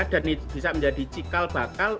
dan bisa menjadi cikal bakal